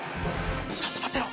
ちょっと待ってろ！